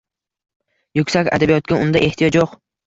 Yuksak adabiyotga unda ehtiyoj yo’q